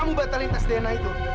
jadi kenapa kamu batalin tes dna itu